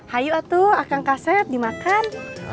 hayu atu akang kaset dimakan